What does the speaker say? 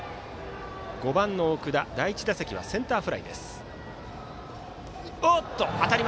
５番の奥田、第１打席はセンターフライでした。